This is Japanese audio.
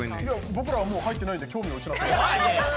僕らはもう入っていないので興味を失ってます。